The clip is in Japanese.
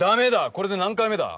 これで何回目だ。